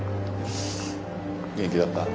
元気だった？